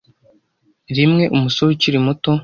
Rimwe umusore ukiri muto